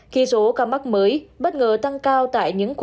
khi số ca mắc mới bất ngờ tăng cao tại những quốc gia